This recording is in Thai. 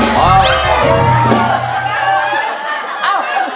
เอ้า